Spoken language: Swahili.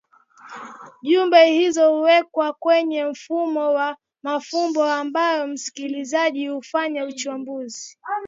Jumbe hizo huwekwe kwenye mfumo wa mafumbo ambayo msikilizaji hufanya uchambuzi